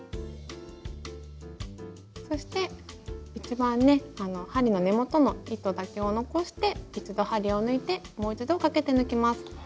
そして一番ね針の根元の糸だけを残して一度針を抜いてもう一度かけて抜きます。